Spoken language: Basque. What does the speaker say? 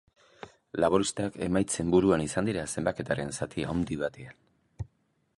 Laboristak emaitzen buruan izan dira zenbaketaren zati handi batean.